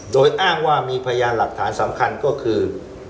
โดยอ้างว่ามีพยานหลักฐานสำคัญก็คือ